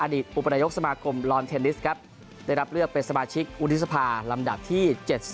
อุปนายกสมาคมลอนเทนนิสครับได้รับเลือกเป็นสมาชิกวุฒิสภาลำดับที่๗๐